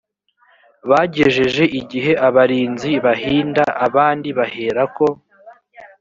bagejeje igihe abarinzi bahinda abandi baherako